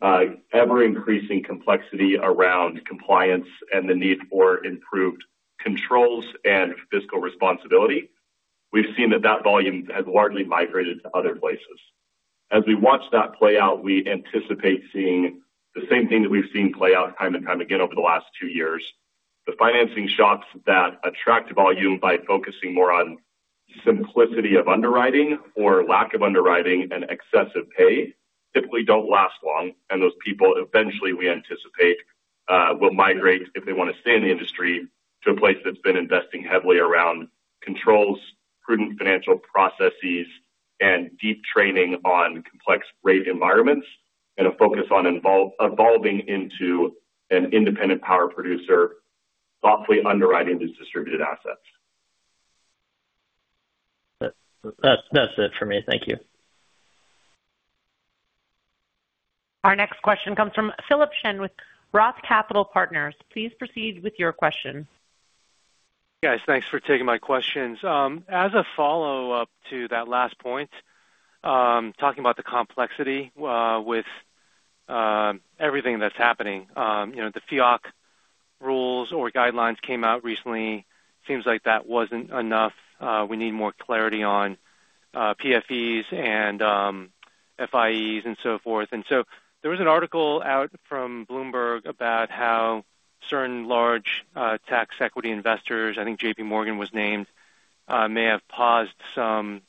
ever-increasing complexity around compliance and the need for improved controls and fiscal responsibility, we've seen that that volume has largely migrated to other places. As we watch that play out, we anticipate seeing the same thing that we've seen play out time and time again over the last two years. The financing shops that attract volume by focusing more on simplicity of underwriting or lack of underwriting and excessive pay, typically don't last long, and those people eventually, we anticipate, will migrate, if they want to stay in the industry, to a place that's been investing heavily around controls, prudent financial processes, and deep training on complex rate environments, and a focus on evolving into an independent power producer, thoughtfully underwriting these distributed assets.
That's it for me. Thank you.
Our next question comes from Philip Shen with Roth Capital Partners. Please proceed with your question.
Guys, thanks for taking my questions. As a follow-up to that last point, talking about the complexity with everything that's happening, you know, the FEOC rules or guidelines came out recently. Seems like that wasn't enough. We need more clarity on PFEs and FIEs and so forth. There was an article out from Bloomberg about how certain large tax equity investors, I think JP Morgan was named, may have paused some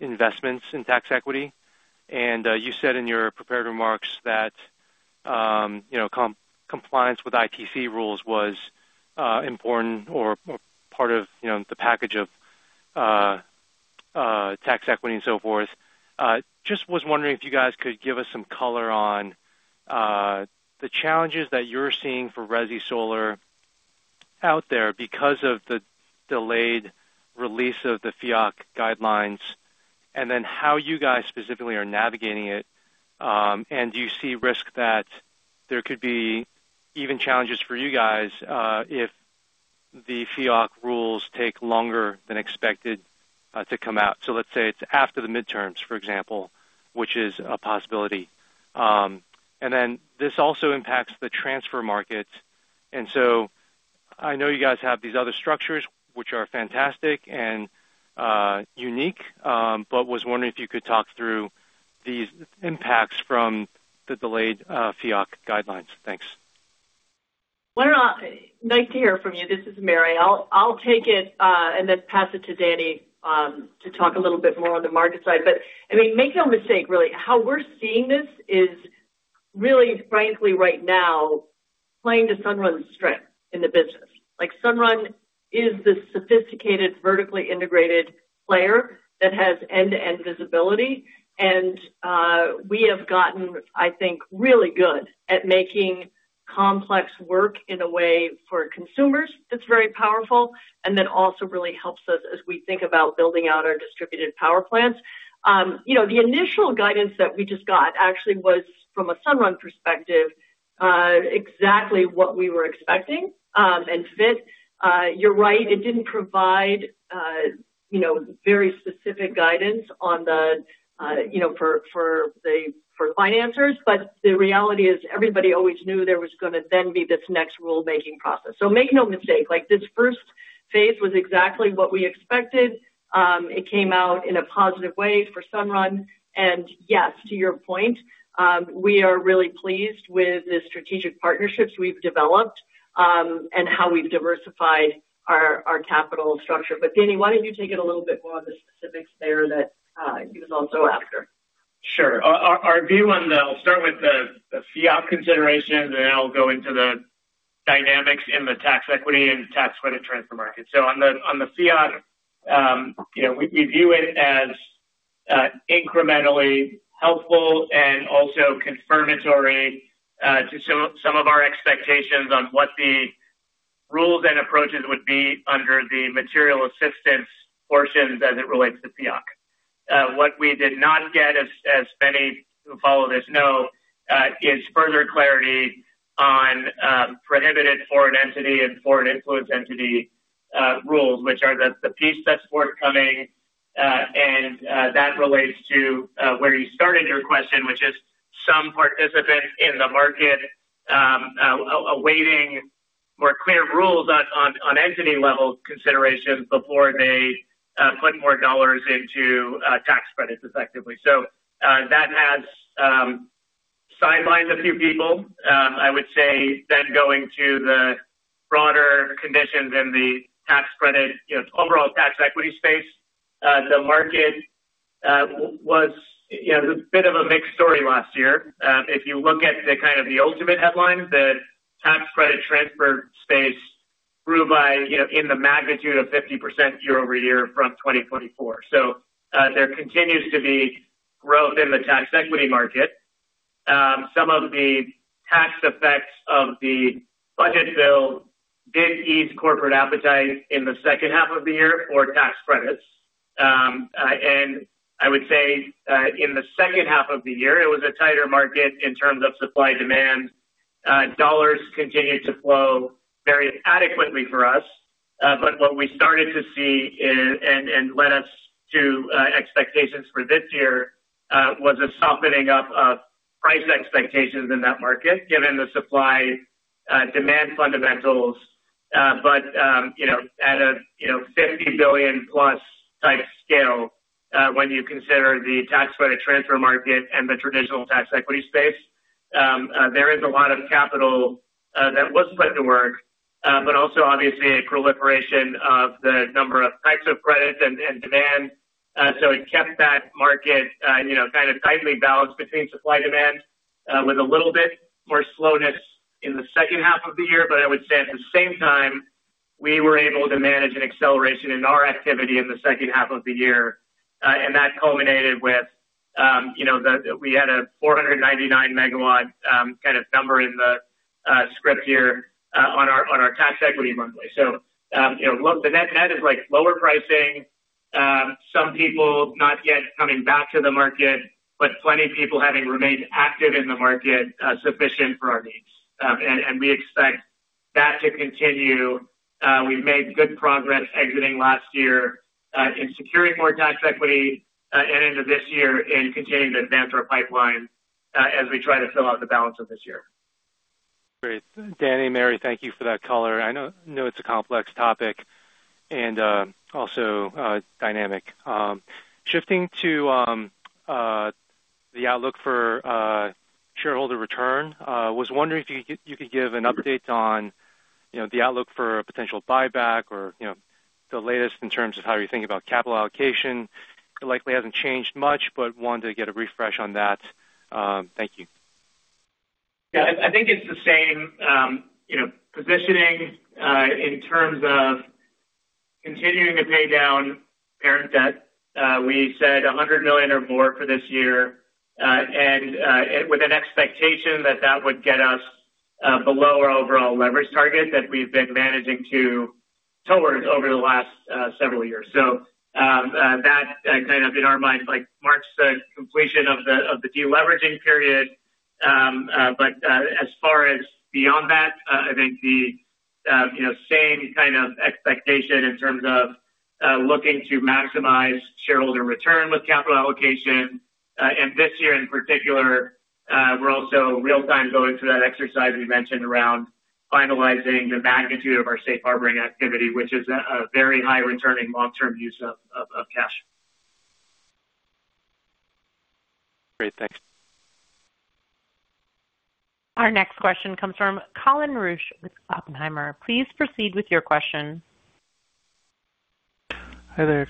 investments in tax equity. You said in your prepared remarks that, you know, compliance with ITC rules was important or part of, you know, the package of tax equity and so forth. just was wondering if you guys could give us some color on the challenges that you're seeing for resi solar out there because of the delayed release of the FEOC guidelines, then how you guys specifically are navigating it. Do you see risk that there could be even challenges for you guys if the FEOC rules take longer than expected to come out? So let's say it's after the midterms, for example, which is a possibility. Then this also impacts the transfer market. So I know you guys have these other structures, which are fantastic and unique, but was wondering if you could talk through these impacts from the delayed FEOC guidelines. Thanks.
Well, nice to hear from you. This is Mary. I'll take it, and then pass it to Danny, to talk a little bit more on the market side. I mean, make no mistake, really, how we're seeing this is really, frankly, right now, playing to Sunrun's strength in the business. Like, Sunrun is this sophisticated, vertically integrated player that has end-to-end visibility, and, we have gotten, I think, really good at making complex work in a way for consumers that's very powerful, and then also really helps us as we think about building out our distributed power plants. You know, the initial guidance that we just got actually was, from a Sunrun perspective, exactly what we were expecting, and fit. You're right, it didn't provide, you know, very specific guidance on the, you know, for the, for financers, but the reality is everybody always knew there was gonna then be this next rulemaking process. Make no mistake, like, this first phase was exactly what we expected. It came out in a positive way for Sunrun, and yes, to your point, we are really pleased with the strategic partnerships we've developed, and how we've diversified our capital structure. Danny, why don't you take it a little bit more on the specifics there that he was also after?
Sure. I'll start with the FEOC considerations, then I'll go into the dynamics in the tax equity and tax credit transfer market. On the FEOC, you know, we view it as incrementally helpful and also confirmatory to some of our expectations on what the rules and approaches would be under the material assistance portions as it relates to FEOC. What we did not get, as many who follow this know, is further clarity on prohibited foreign entity and foreign-influenced entity rules, which are the piece that's forthcoming, and that relates to where you started your question, which is some participants in the market awaiting more clear rules on entity-level considerations before they put more dollars into tax credits effectively. That has sidelined a few people. I would say going to the broader conditions in the tax credit, you know, overall tax equity space, the market was, you know, a bit of a mixed story last year. If you look at the, kind of the ultimate headline, the tax credit transfer space grew by, you know, in the magnitude of 50% year-over-year from 2024. There continues to be growth in the tax equity market. Some of the tax effects of the budget bill did ease corporate appetite in the second half of the year for tax credits. I would say, in the second half of the year, it was a tighter market in terms of supply-demand. Dollars continued to flow very adequately for us, but what we started to see, and led us to, expectations for this year, was a softening up of price expectations in that market, given the supply, demand fundamentals. You know, at a, you know, $50 billion-plus type scale, when you consider the tax credit transfer market and the traditional tax equity space, there is a lot of capital that was put to work, but also obviously a proliferation of the number of types of credits and demand. It kept that market, you know, kind of tightly balanced between supply-demand, with a little bit more slowness in the second half of the year. I would say at the same time, we were able to manage an acceleration in our activity in the second half of the year, and that culminated with, you know, we had a 499 megawatt kind of number in the script here, on our, on our tax equity monthly. You know, look, the net net is like lower pricing, some people not yet coming back to the market, but plenty of people having remained active in the market, sufficient for our needs. We expect that to continue. We've made good progress exiting last year, in securing more tax equity, and into this year in continuing to advance our pipeline, as we try to fill out the balance of this year.
Great. Danny, Mary, thank you for that color. I know it's a complex topic and, also, dynamic. Shifting to the outlook for shareholder return, was wondering if you could give an update on, you know, the outlook for a potential buyback or, you know, the latest in terms of how you think about capital allocation. It likely hasn't changed much, but wanted to get a refresh on that. Thank you.
Yeah, I think it's the same, you know, positioning, in terms of continuing to pay down parent debt. We said $100 million or more for this year, and with an expectation that that would get us below our overall leverage target that we've been managing to towards over the last several years. That kind of, in our mind, like, marks the completion of the deleveraging period. As far as beyond that, I think the, you know, same kind of expectation in terms of looking to maximize shareholder return with capital allocation. This year in particular, we're also real time going through that exercise we mentioned around finalizing the magnitude of our safe harboring activity, which is a very high returning long-term use of cash.
Great. Thanks.
Our next question comes from Colin Rusch with Oppenheimer. Please proceed with your question.
Hi there.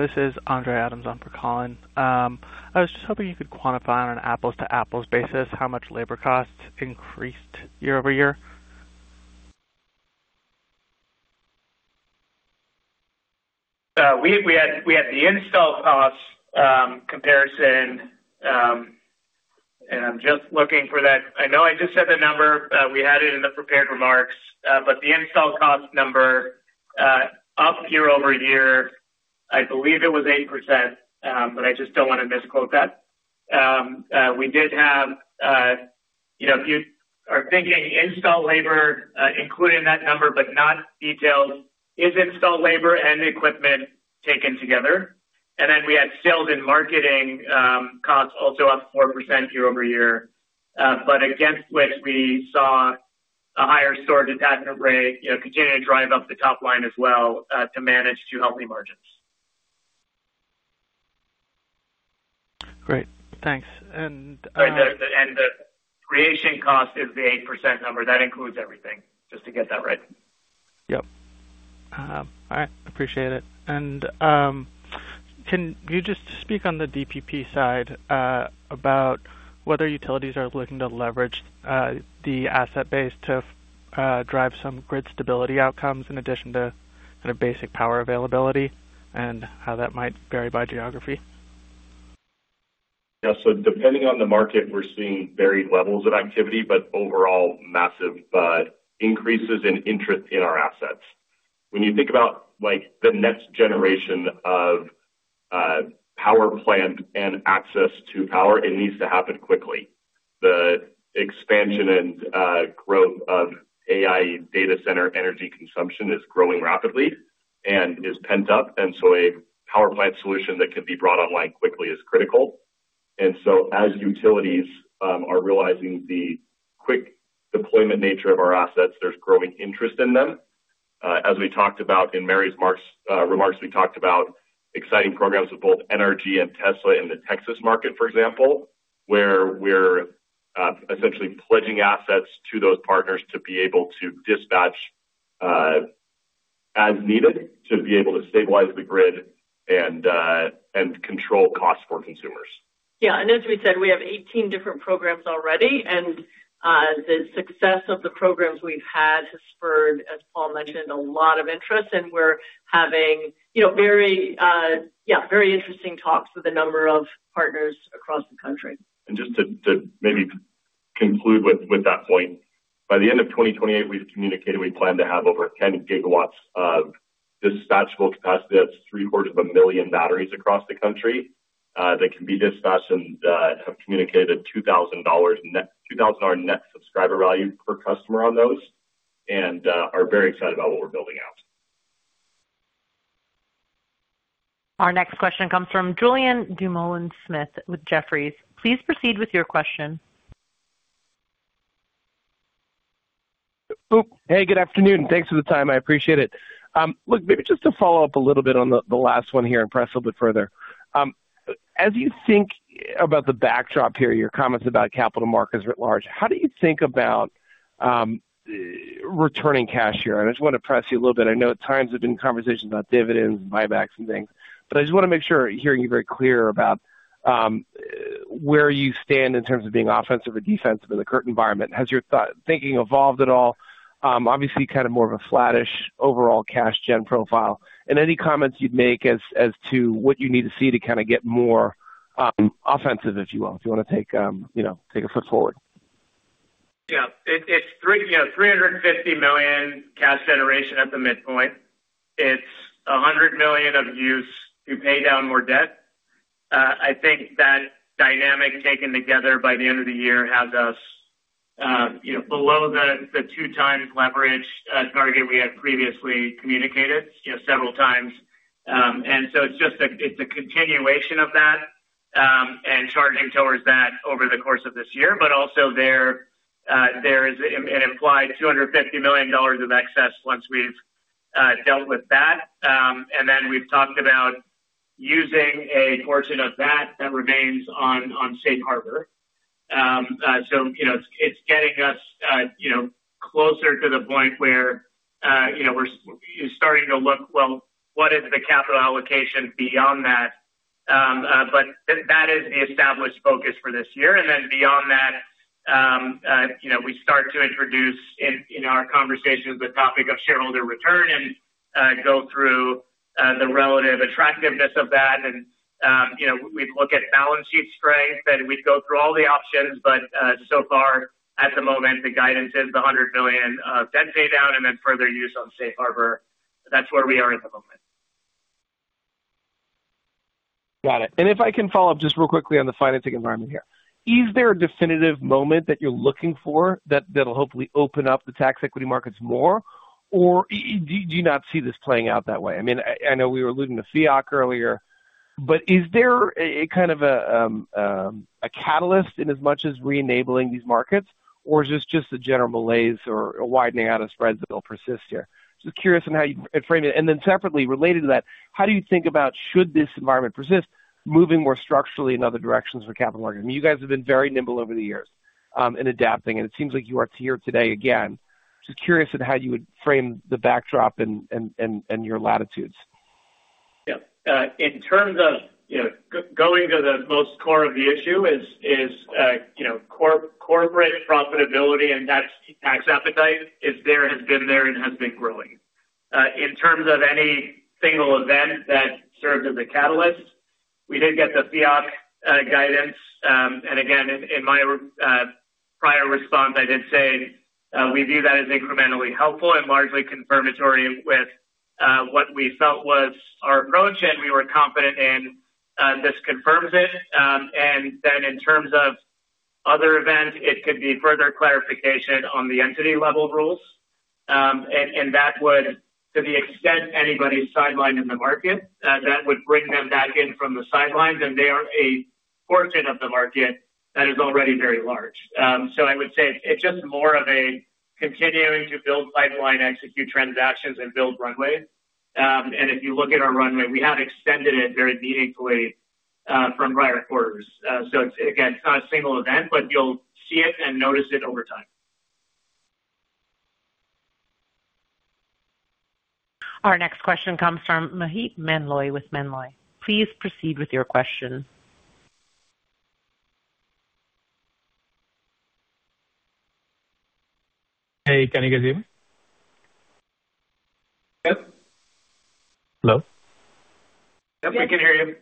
This is Andre Adams on for Colin. I was just hoping you could quantify on an apples-to-apples basis how much labor costs increased year-over-year?
We had the install cost comparison, I'm just looking for that. I know I just said the number, we had it in the prepared remarks, but the install cost number up year-over-year, I believe it was 8%, but I just don't want to misquote that. We did have, you know, if you are thinking install labor, including that number but not detailed, is install labor and equipment taken together. We had sales and marketing costs also up 4% year-over-year, but against which we saw a higher storage attachment rate, you know, continue to drive up the top line as well, to manage two healthy margins.
Great, thanks.
The Creation Cost is the 8% number. That includes everything, just to get that right.
Yep. all right. Appreciate it. Can you just speak on the DPP side, about whether utilities are looking to leverage, the asset base to, drive some grid stability outcomes in addition to kind of basic power availability, and how that might vary by geography?
Yeah, depending on the market, we're seeing varied levels of activity, but overall massive increases in interest in our assets. When you think about, like, the next generation of power plant and access to power, it needs to happen quickly. The expansion and growth of AI data center energy consumption is growing rapidly and is pent up, a power plant solution that can be brought online quickly is critical. As utilities are realizing the quick deployment nature of our assets, there's growing interest in them. As we talked about in Mary's remarks, we talked about exciting programs with both NRG and Tesla in the Texas market, for example, where we're essentially pledging assets to those partners to be able to dispatch as needed, to be able to stabilize the grid and control costs for consumers.
As we said, we have 18 different programs already. The success of the programs we've had has spurred, as Paul mentioned, a lot of interest. We're having, you know, very interesting talks with a number of partners across the country.
Just to maybe conclude with that point, by the end of 2028, we've communicated we plan to have over 10 gigawatts of dispatchable capacity. That's three-quarters of a million batteries across the country that can be dispatched and have communicated $2,000 Net Subscriber Value per customer on those and are very excited about what we're building out.
Our next question comes from Julien Dumoulin-Smith with Jefferies. Please proceed with your question.
Hey, good afternoon. Thanks for the time. I appreciate it. Look, maybe just to follow up a little bit on the last one here and press a little bit further. As you think about the backdrop here, your comments about capital markets at large, how do you think about returning cash here? I just want to press you a little bit. I know at times there have been conversations about dividends and buybacks and things, but I just want to make sure hearing you very clear about where you stand in terms of being offensive or defensive in the current environment. Has your thinking evolved at all? Obviously, kind of more of a flattish overall cash gen profile, and any comments you'd make as to what you need to see to kind of get more offensive, if you will, if you want to take, you know, take a foot forward.
Yeah, it's $350 million Cash Generation at the midpoint. It's $100 million of use to pay down more debt. I think that dynamic, taken together by the end of the year, has us, you know, below the 2 times leverage target we had previously communicated, you know, several times. It's just a continuation of that. Charging towards that over the course of this year. Also there is an implied $250 million of excess once we've dealt with that. We've talked about using a portion of that remains on safe harbor. You know, it's getting us, you know, closer to the point where, you know, we're starting to look, well, what is the capital allocation beyond that? That is the established focus for this year. Then beyond that, you know, we start to introduce in our conversations the topic of shareholder return and go through the relative attractiveness of that. You know, we'd look at balance sheet strength, and we'd go through all the options. So far, at the moment, the guidance is the $100 million of debt pay down and then further use on safe harbor. That's where we are at the moment.
Got it. If I can follow up just real quickly on the financing environment here. Is there a definitive moment that you're looking for that'll hopefully open up the tax equity markets more? Or do you not see this playing out that way? I mean, I know we were alluding to FEOC earlier. Is there a kind of a catalyst in as much as re-enabling these markets? Or is this just a general malaise or a widening out of spreads that will persist here? Just curious on how you'd frame it. Separately related to that, how do you think about should this environment persist, moving more structurally in other directions for capital market? I mean, you guys have been very nimble over the years in adapting, and it seems like you are here today again. Just curious on how you would frame the backdrop and your latitudes.
Yeah. In terms of, you know, going to the most core of the issue is, you know, corporate profitability and tax appetite is there, has been there and has been growing. In terms of any single event that served as a catalyst, we did get the FEOC guidance. Again, in my prior response, I did say, we view that as incrementally helpful and largely confirmatory with what we felt was our approach, and we were confident and this confirms it. Then in terms of other events, it could be further clarification on the entity level rules. That would, to the extent anybody's sidelined in the market, that would bring them back in from the sidelines, and they are a portion of the market that is already very large. I would say it's just more of a continuing to build pipeline, execute transactions and build runway. If you look at our runway, we have extended it very meaningfully from prior quarters. Again, it's not a single event, but you'll see it and notice it over time.
Our next question comes from Maheep Mandloi with Mizuho. Please proceed with your question.
Hey, can you guys hear me?
Yep.
Hello?
Yep, we can hear you.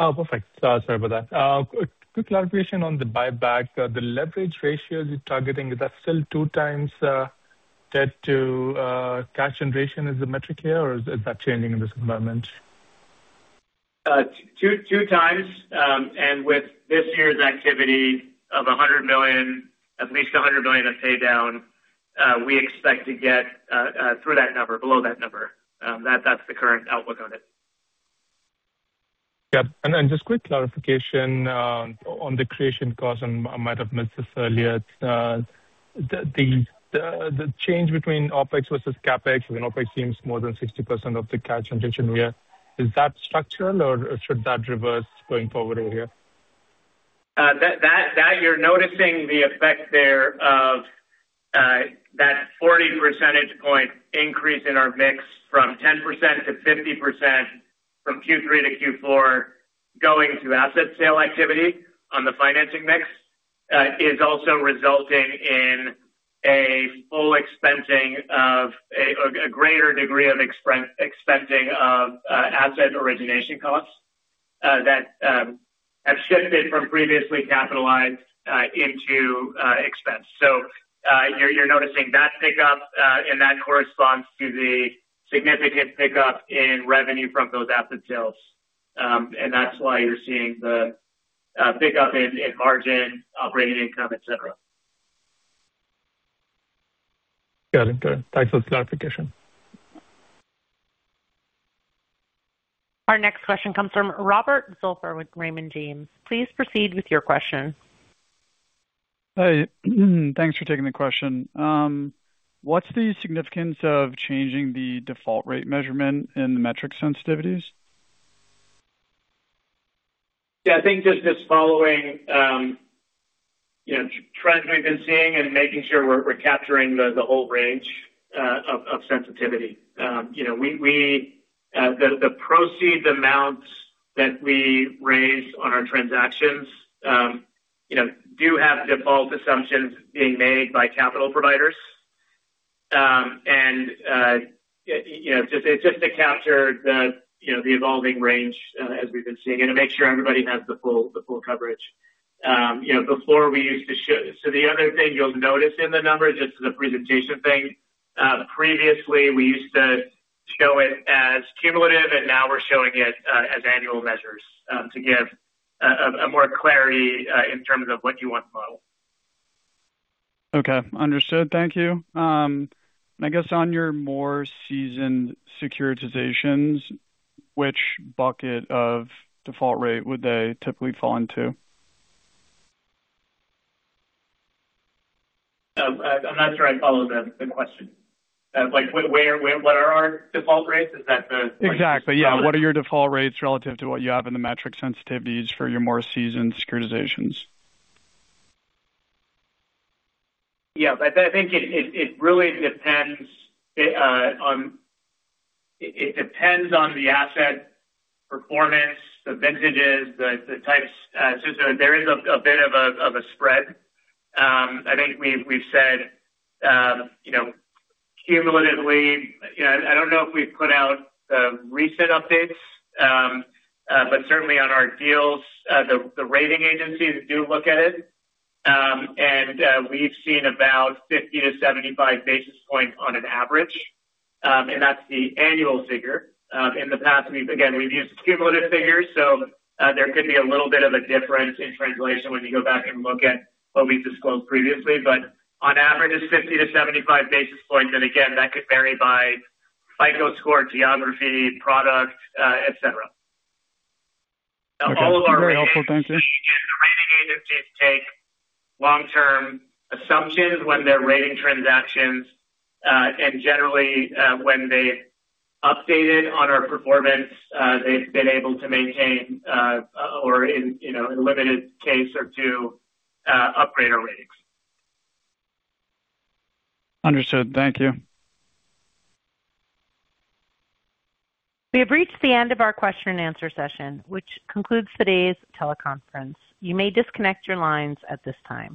Oh, perfect. Sorry about that. Quick clarification on the buyback. The leverage ratio you're targeting, is that still 2 times debt to Cash Generation as a metric here, or is that changing in this environment?
2 times. With this year's activity of $100 million, at least $100 million of pay down, we expect to get through that number, below that number. That's the current outlook on it.
Yeah. just quick clarification, on the Creation Costs, I might have missed this earlier. The change between OpEx versus CapEx, I mean, OpEx seems more than 60% of the Cash Generation here. Is that structural, or should that reverse going forward over here?
That you're noticing the effect there of that 40 percentage point increase in our mix from 10% to 50% from Q3 to Q4 going to asset sale activity on the financing mix, is also resulting in a full expensing of a greater degree of expensing of asset origination costs that have shifted from previously capitalized into expense. You're noticing that pickup, and that corresponds to the significant pickup in revenue from those asset sales. That's why you're seeing the pickup in margin, operating income, et cetera.
Yeah. Okay. Thanks for the clarification.
Our next question comes from Robert Zolper with Raymond James. Please proceed with your question.
Hi. Thanks for taking the question. What's the significance of changing the default rate measurement in the metric sensitivities?
Yeah, I think just following, you know, trends we've been seeing and making sure we're capturing the whole range of sensitivity. You know, we, the proceeds amounts that we raise on our transactions, you know, do have default assumptions being made by capital providers. You know, just to capture the, you know, the evolving range as we've been seeing and to make sure everybody has the full coverage. You know, before we used to The other thing you'll notice in the numbers, it's the presentation thing. Previously we used to show it as cumulative, and now we're showing it as annual measures to give more clarity in terms of what you want to model.
Okay. Understood. Thank you. I guess on your more seasoned securitizations, which bucket of default rate would they typically fall into?
I'm not sure I follow the question. Where what are our default rates? Is that the.
Exactly, yeah. What are your default rates relative to what you have in the metric sensitivities for your more seasoned securitizations?
Yeah. I think it really depends on the asset performance, the vintages, the types. There is a bit of a spread. I think we've said, you know, cumulatively, you know, I don't know if we've put out the recent updates, but certainly on our deals, the rating agencies do look at it. We've seen about 50-75 basis points on an average. That's the annual figure. In the past again, we've used cumulative figures, so there could be a little bit of a difference in translation when you go back and look at what we've disclosed previously. On average, it's 50-75 basis points. Again, that could vary by FICO score, geography, product, et cetera.
Okay. Very helpful. Thank you.
All of our ratings agencies and the rating agencies take long-term assumptions when they're rating transactions. Generally, when they updated on our performance, they've been able to maintain, or in, you know, in limited case or two, upgrade our ratings.
Understood. Thank you.
We have reached the end of our question and answer session, which concludes today's teleconference. You may disconnect your lines at this time.